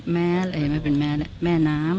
แม่อะไรไม่เป็นแม่แม่น้ำ